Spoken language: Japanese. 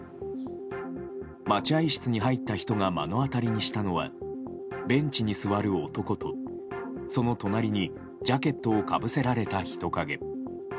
待合室に入った人が目の当たりにしたのはベンチに座る男とその隣にジャケットをかぶせられた人影。